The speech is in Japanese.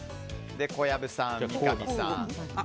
小籔さん、三上さん